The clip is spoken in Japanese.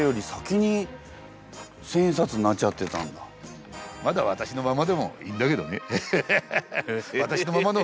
そんなまだ私のままでもいいんだけどね。